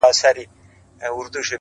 چي اوسني پنجاب ته یې